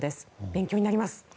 勉強になります。